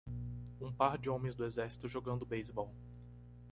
Um par de homens do exército jogando beisebol.